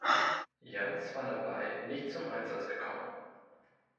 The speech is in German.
Janz war dabei nicht zum Einsatz gekommen.